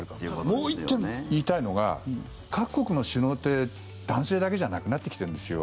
もう１点、言いたいのが各国の首脳って男性だけじゃなくなってきてるんですよ。